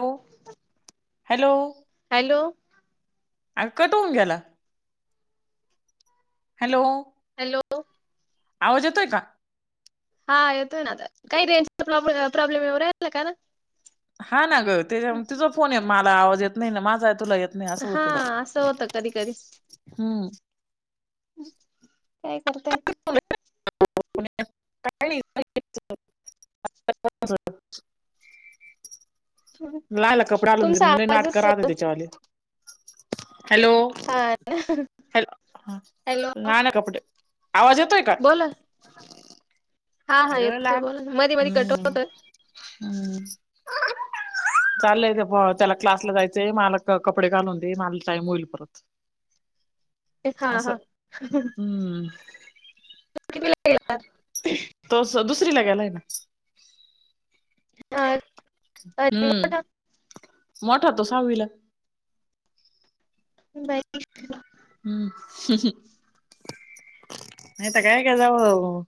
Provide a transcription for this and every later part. हो hello hello अरे cut होऊन गेला. हॅलो हॅलो आवाज येतोय का हां येतो ना आता काही रेंजला प्रॉब प्रॉब्लेम येऊ राहिला कान हां ना गं तुझं फोन हे मला आवाज येत नाही ना माझा तुला येत नाही असं हां होत असं होतं कधी कधी. हम्म. [unintelligible] काय करताय. [inaudible] [inaudible] लागला का प्रॉब्लेम तुमचा [unintelligible] लय नाटकं आवाजच [unintelligible] हॅलो? [unintelligible] हॅलो हां हॅलो नाय ना कपडे आवाज ये बोला. हा हा येतोय अगं बोला ना. मध्ये [unintelligible] मध्ये कट हम्म होतोय हम्म. चाललाय ते प त्याला क्लासला जायचंय मला क कपडे घालून दे मला टाइम होईल परत. हा असं हा हम्म. [inaudible] तो दुसरीला गेलाय ना. हा हम्म मोठा तो सहावीला. [inaudible] हम्म. नाही तर काय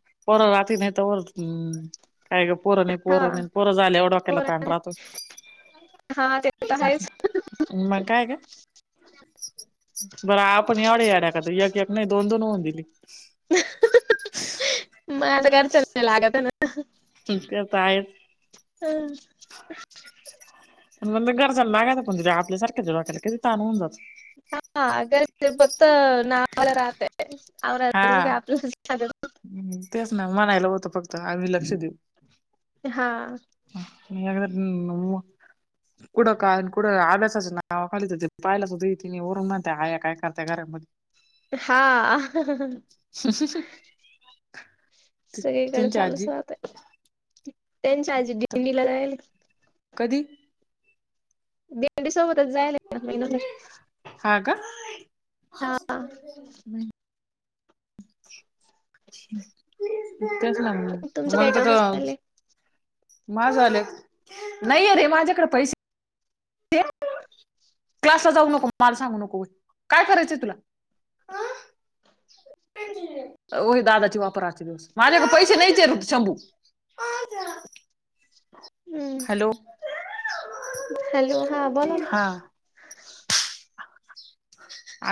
[unintelligible] हम्म काय गप्प पोरं नाही हा पोरं नाही पोरं झाल्यावर डोक्याला ताण पोरांनी राहतो. हा ते तर आहेच मग काय गं? बरं आपण एवढ्या [unintelligible] एक एक नाही दोन दोन होऊन दिली. म आता [unintelligible] लागतं ना? [unintelligible] हम्म. [unintelligible] गरजाला लागायचं कोण आपल्यासारखं दवाखाना किती [unintelligible] जातो. हा अगर फत ना राहते हा तेच ना मणायला होतं फक्त आमी लक्ष देऊ हा [unintelligible] कुठं काय आन कुठं अभ्यासच नावाखाली तर ते [unintelligible] वरून म्हणत्या आया काय करत्या घरामध्ये? हां. सगळीकड त्यांची चालूच आजी राहतंय. त्यांच्या आजी दिल्लीला राहायला. कधी? त्यांच्या सोबतच जाईल आता महिनभर हां. हम् तेच नाही तुमचं काय मग तर काम तर चाललंय माझ झालं नाइ अरे माज्याकड पैशे क्लास ला जाऊ नको मला सांगू नको काय करायचंय तुला वही दादाची वापर आच्या दिवस माझ्याकड पैशे नाहीचेय बग शंभू हम्म हॅलो हॅलो हा बोला ना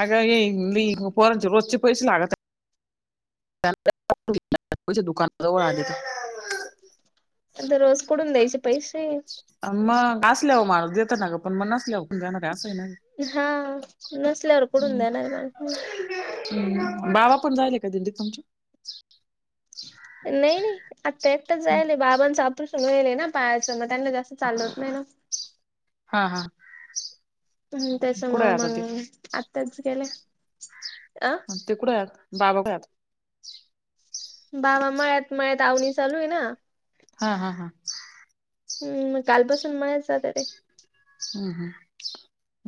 अग [unintelligible] रोजचे पैसे लागत [unintelligible] दररोज कुटून द्यायचे पैशे मग असल्यावर माणूस देत ना ग पण मग नसल्यावर जाणार का असं ना हा नसल्यावर कुडून देणार मण हम् बाबा पण जायले का दिंडीत तुमची नाइ नाइ आता एकटाच हं. जायले बाबांच ऑपरेशन वायलय ना पायाचं म त्यांना जास्त चालवत नाही ना हा. हा. हम्. कुठे त्याच्यामुंळ आहे आता मग ते आत्ताच गेल्या. अ. ते कुटाय आता? बाबाकड हाय आता. बाबा मळ्यात मळ्यात आवनी चालूय हायना. हा, हा, हा. हम. मग कालपासून मयाच जात रे. हम्म, हम्म.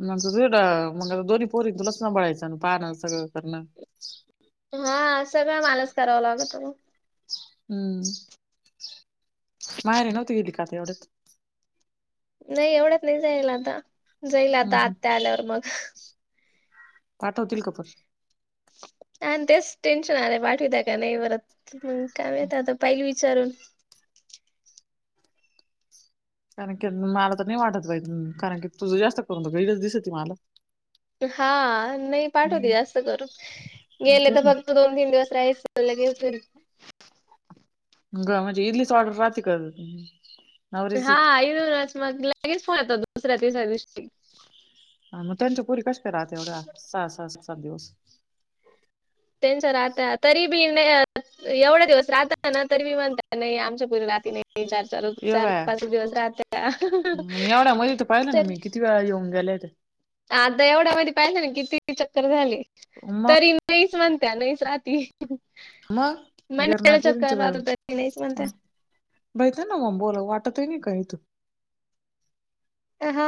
मग त झड मग आता दोन्ही पोरी तुलाच संबाळायचं पाहण सगळं करणं. आ हा सगळ मालाच कराव लागत मगं. हम्म. माहेरी नव्हती का गेली तू एवढ्यात? नाइ एवडयात नाइ जायला आता. जाईल हम्म आता हम्म आत्या आल्यावर मग. पाठवतील का पण? आन तेच टेन्शन आलंय पाठविता का नाइ परत मग काय माहित आता पहिलं वि चारून कारण की मला तर नाय वाटत जाईल तु, कारण की तुझ जास्त करून गैरच दिसती मला. हा नाइ पाटवते हम्म जास्त करून, गेले तेच तर ना फक्त दोन तीन दिवस. [unintelligible] लगे फिरून. ग म्हणजे इतलीच ऑर्डर रात्री कर [unintelligible] हा. [unintelligible] मग लगेच फोन येत्यात दुसऱ्या तिसऱ्या दिवशी. आ मग त्यांच्या पुरी कस काय राहते? एवढ्या सहा -. सहात सताठ दिवस. तेच्या राहत्या. तरी बी मि एवडया दिवस राहता ना तरी बी म्हणतात नाही आमच्या पूर्वी राहात नाही. त चार - चार ये चार बाया पाच दिवस राहत्या. एवढ्या मध्ये तर पाहिलं ना तरी मी - - किती वेळा येऊन गेल्या त्या आता एवढ्या मध्ये पाहिले ना किती चक्कर झाले. मग तरी नाहीच म्हणत्या, नाहीच राती. मग महिन्याला गिरनाट चक्कर राहत्या [unintelligible] नाहीच म्हणत्या. माहितीय त ना मग बोला वाटत आहे नाही काही तू. अ हा.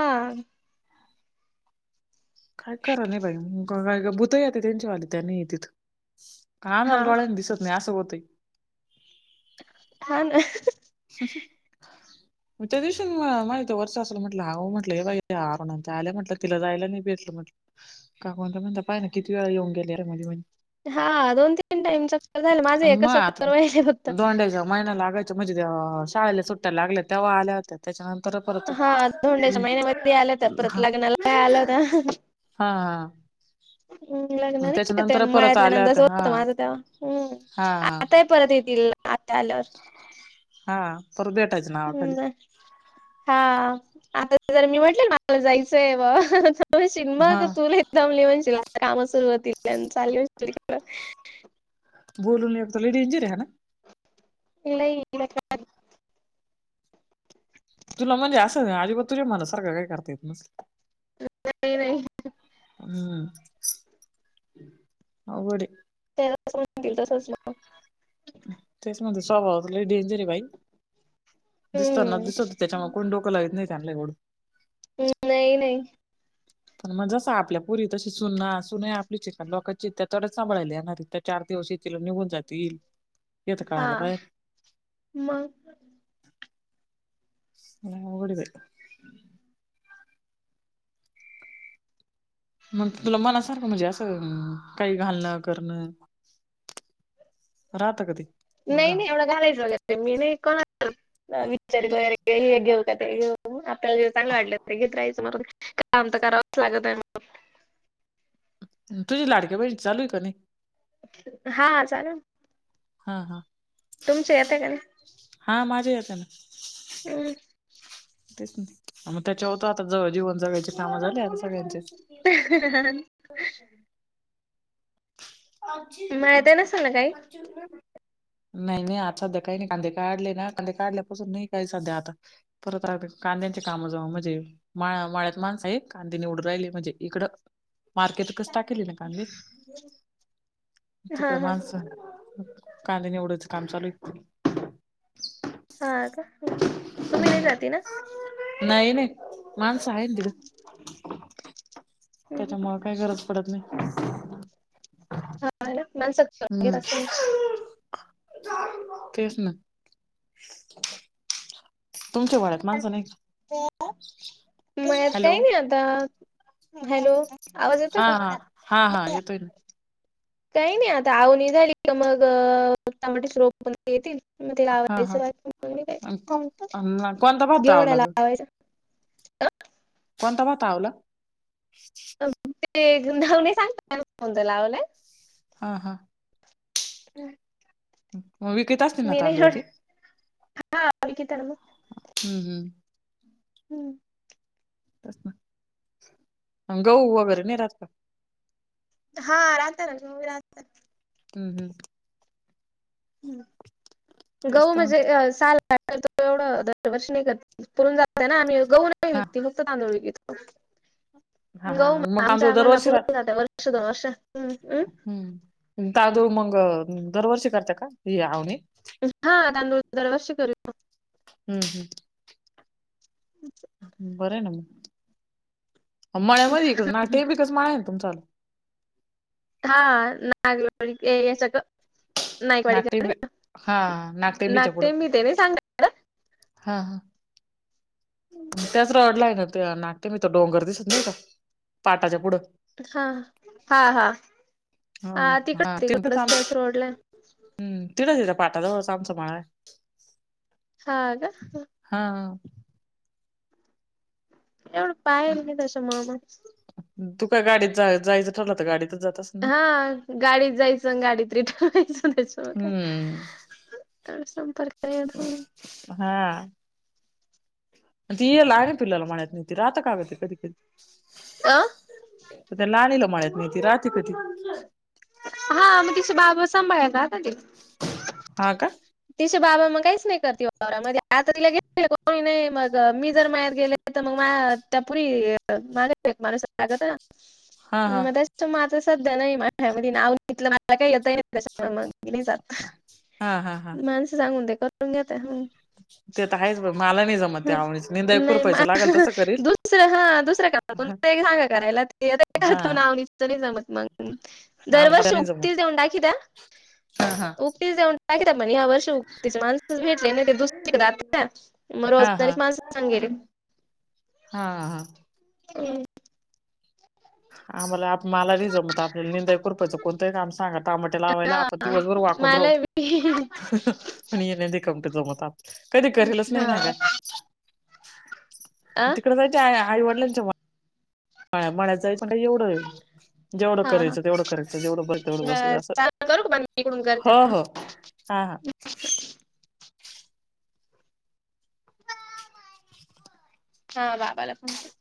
काय करा नाही बाई का भूत येत त्यांच्यावाले त्यांनी तिथ - - काय मला हा डोळ्याला दिसत नाही असं होतय. हा ना. [unintelligible] म त्या दिवशी नाही तवर सासुला म्हटलं आओ म्हटलं हे बघा अरुणांची आलं म्हटलं तिला जायला नाही भेटलं म्हटलं. का कोणता कोणता पायंम ना किती वेळा येऊन गेले र मध्ये मधी हा. दोन तीन टाइम चक्कर झालं माझे एक चक्कर वाहिले फक्त. जमायना लागत अरे माझ्या देवा, शाळेला सुट्ट्या लागल्या तेव्हा आल्यात. त्याच्या नंतर परत हा धोंड्याच्या महिन्यामध्ये आल्या होत्या परत लग्नाला आल्या होत्या ह हं अ. हम. लग्न नाही ते परत मळ्यातल्या आल्या नंदा होत्या हा सोबत होत माझं तेव्हा हम् हा आता परत येतील. आता आल्यावर. हा. परत भेटायच ना. हम्म. हा. आता जर मी म्हटल ना मला जायचंय बा - - [unintelligible] शि्ग हा मग तुल लई दमलि म्हनशील आता काम सुरवातीला चालली दुसरीकडं. बोलून येतो लय डेंजर हे ना. लई [unintelligible] तुला म्हणजे असं अजिबात तुझ्या मनासारंख काय करता येत नसल. नाही हम्म. अवघड ये. त्यां म्हनतील तसंच मग. तेच म्हणतो स्वभाव डेंजर आहे बाई दिसतना हम्म दिसत त्याच्यामुळ कोण डोक लागत नाही त्यांना एवढं. नाही नाही. पण मग जसा आपल्या पुरी तशी सुन ना सुन आपली चित लोकांचीत्या थोच सांभाळायली येणार त्या चार दिवस तिला निघून जातील. येतं हा कळायला पाहिजे मग [unintelligible] मग तुला मनासारखं म्हणजे असं काही घालणं करणं राहत का ते नाही गा नाही एवढं घालायचं बगय ते मी नाही कोणा विचारी वगैरे घेऊ का तेेऊ आपल्याला जेव चांगलं वाटलं ते घेत राहायचं म काम तर करावंच लागत आहे. तुझं लाडक्याबहिनीचं चालू आहे का ते हा चालू हाय हा हा तुमच येत काय नई. हा माझ येत ना. हम मग त्याच्यावर तर आता जीवन जगयाचे काम झाली आता सगळ्यांचे. [unintelligible] अचछ [unintelligible] मळ्यात नसेल ना काही [unintelligible] नाही नाही आज सध्या काही नाही काढले ना काढल्यापासून नाही काही सध्या आता परत आ कांद्यांचे काम जाऊ म्हणजे माळ माळ्यात माणस हायत आणि ते निवडून राहिली म्हणजे इकडं मार्केटच टाकली ना कांदी हा तिकड हा माणसं कांद्या निवडाया च काम चालू आहे. हा का तुम्ही नाही जाते ना नाही नाही माणसं आहे ना तिला त्याच्यामुळं काय गरज पडत नाही. ह ना मानसकतो हम्म तेच ना तुमच्या मळ्यात माणसं नाही का. मळ्यात काय नाही आता हॅलो आवाज येतोय हा हा का हा हा येतोय ना काय नाही आता अवनी झाली की मग रोप पण येतील मग ते हा हा लावायचं अ कोणता भात आवला घेवढ्याला ग लावायचं. कोणता भात आवला ते नाव नाही सांगता येणार कोणता लावला हा हा हम [inaudible] मग विकत असतील ना तांदूळ ते लावली की तर मग हम्म हम्म हम्म गहू वगैरे नाही राहात का. हा राहताना्ही गहू ही राहतात. हम् हम तेच गहू तर म्हटलं म्हणजे साल ो एवढं दरवर्ष नाही कर पुण जातय ना आम्ही गहू नाही हा विकत फक्त तांदूळ विकतो. हा हा ग म मग आमच्या तांदूळ आम्हाला दरवर्षी पूरव राहत जाते वर्ष दोन वर्ष. हम्म. हम्म अ मंग दरवर्षी करते का ह आवणी हा दांदूज दरवर्षी करीतो. हम्म हम् बरं ना मग. ह मळ्यामध्ये नाटे बिकच माळ आहे तुमचालला. हा नागल सगळं नागटिंबी हा नागटिंबी चपडू नागटे मी ते नाही सांगत हा ह त्याच रडलाय ना ते नाट ते मी तर डोंगर दिसत नाही का पाटाच्या पुढं हा हा हा हा तिकडच तिकडच त्याच रोडला हम्म तिड तिरा पाठाात चांस मळा ह हा एवढं पायल नाही तच्या मामा तू का गाडीत जा जायचं ठरलं तर गाडीतच जातस हा गाडीत जायचं गाडीतरी ठेवायचं त्याच्या म हम्म काय संपर्क यो हा म येला आगपल म्याात निेत राहातक आगते कध कधी अ त्या लाणीला मळत नाहीती राात कधी हा मग तिची बाब सांभाळयला आता तिला हा का तिचे बाबा मग काहीच नाही करते वावरामध्ये आ तिला गे कोणी नाही मग मी जर माया्यात गेले मग त्यापरी मागा माणस लागत हा हा मग त्या माझं सध्या नाही माझ्या म नाव तथलं काही येतय त्याच्यामुळे मग मी नाही जात हा हा हा सांगून ते करून घेत ह ते आता आहेच ब मला नाही जमत ते आवणीच निंदा नाही खुरपायचं लागल तसं करील दुसरं हा दुसरं काम तु सांगा करायला हा नाव तरी मत मग आमच्या दरवर्ष नाही उगतील जमत देव दा की द्या हा हा उगटतील देवन काकित मणे यावर माण भेटले ना ते दुसरी मग हा हा रोजदारी माणस सांगेले हा हा हम् आम्हाला मला रिज मत आपल्याला निंदाई करूपायं कोणतही का आमही सांगा तामट्या लावायला आपण दिवसभर वाकून राह [unintelligible] पण येण्या कामट जमवत आप कधी करेलच नाही ना हा. काय अ तिकडे जायचे आईवडिलांच्या म्हणा्याचं आई मण का एवढं जेवढं हा हा करायचं तेवढं करायचं जवढं बस तेवढं बसायचं बर असं चालेल करू का बंद मी इकडून करते हो हो हा ह हा बाबाला फोन करू